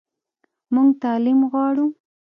موږ تعلیم غواړو